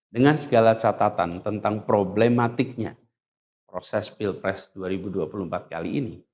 dengan segala catatan tentang problematiknya proses pilpres dua ribu dua puluh empat kali ini